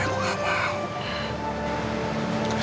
aku gak mau